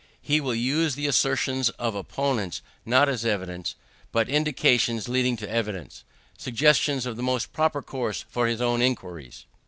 He will use the assertions of opponents not as evidence, but indications leading to evidence; suggestions of the most proper course for his own inquiries.